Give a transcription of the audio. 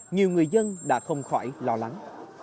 nhiều người dân đã không khỏi lo lắng